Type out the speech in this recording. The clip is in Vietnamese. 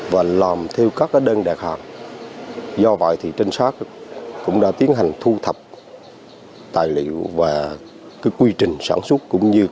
và làm theo các đơn đề khẳng do vậy trinh sát cũng đã tiến hành thu thập tài liệu và quy trình sản xuất